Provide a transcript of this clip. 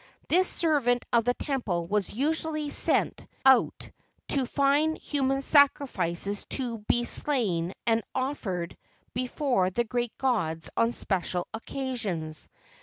This servant of the temple was usually sent out to find human sacrifices to be slain and offered before the great gods on special occasions.